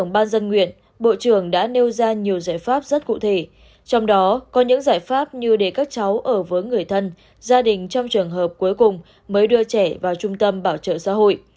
ban dân nguyện bộ trưởng đã nêu ra nhiều giải pháp rất cụ thể trong đó có những giải pháp như để các cháu ở với người thân gia đình trong trường hợp cuối cùng mới đưa trẻ vào trung tâm bảo trợ xã hội